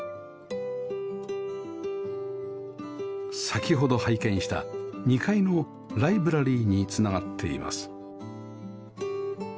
先ほど拝見した２階のライブラリーに繋がっています